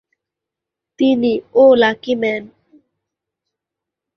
তিনি "oh lucky man!"